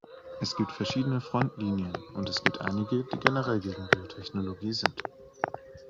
Es gibt verschiedene Frontlinien, und es gibt einige, die generell gegen Biotechnologie sind.